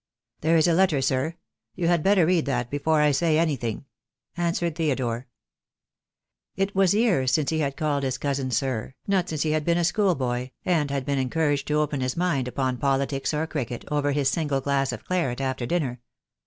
"There is a letter, sir. You had better read that before I say anything," answered Theodore. It was years since he had called his cousin sir, not since he had been a schoolboy, and had been encouraged to open his mind upon politics or cricket, over his single glass of claret, after dinner.